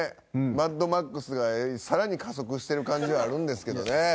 マッドマックスが更に加速してる感じはあるんですけどね。